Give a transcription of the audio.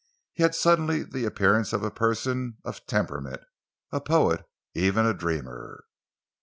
He had suddenly the appearance of a person of temperament a poet, even a dreamer.